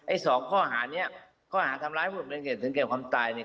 สองข้อหาเนี้ยข้อหาทำร้ายผู้เป็นเหตุถึงแก่ความตายเนี่ย